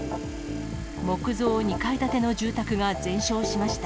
木造２階建ての住宅が全焼しました。